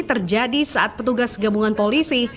terjadi saat petugas gabungan polisi